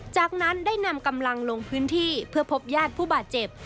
จากนั้นได้นำกำลังลงพื้นที่เพื่อพบญาติผู้บาดเจ็บ